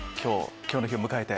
今日の日を迎えて。